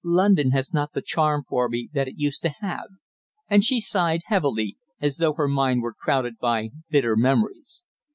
"London has not the charm for me that it used to have," and she sighed heavily, as though her mind were crowded by bitter memories.